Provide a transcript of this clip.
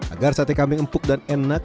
agar sate kambing empuk dan enak